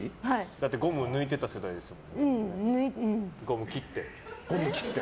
だってゴム抜いてた世代でしょ。